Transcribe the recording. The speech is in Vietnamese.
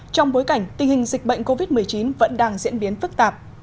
trong bối cảnh tình hình dịch bệnh covid một mươi chín vẫn đang diễn biến phức tạp